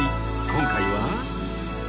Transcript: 今回は